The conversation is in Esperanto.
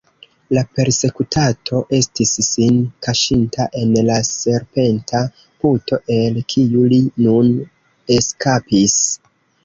La persekutato estis sin kaŝinta en la serpenta puto, el kiu li nun eskapis.